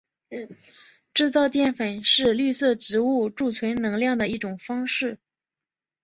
制造淀粉是绿色植物贮存能量的一种方式。